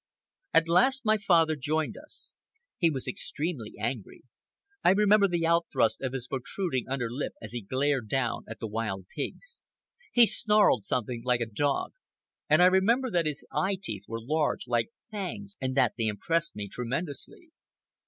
At last my father joined us. He was extremely angry. I remember the out thrust of his protruding underlip as he glared down at the wild pigs. He snarled something like a dog, and I remember that his eye teeth were large, like fangs, and that they impressed me tremendously.